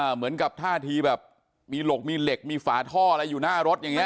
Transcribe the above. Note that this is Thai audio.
เหมือนกับท่าทีแบบมีหลกมีเหล็กมีฝาท่ออะไรอยู่หน้ารถอย่างนี้